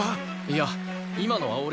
いや今のは俺が。